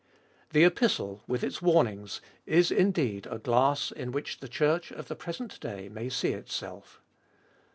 The Epistle, with its warnings, is indeed a glass in which the Church of the present day may see itself.